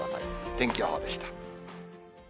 天気予報でした。